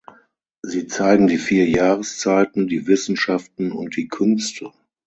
Sie zeigen die vier Jahreszeiten, die Wissenschaften und die Künste.